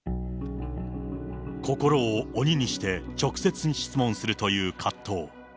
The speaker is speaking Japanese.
心を鬼にして、直接質問するという葛藤。